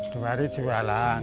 dua hari jualan